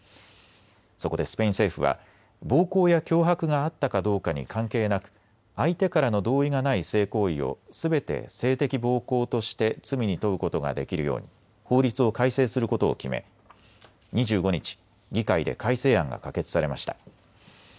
そこでスペイン政府は暴行や脅迫があったかどうかに関係なく相手からの同意がない性行為をすべて性的暴行として罪に問うことができるように法律を改正することを決め２５日、議会で改正案が可決されました。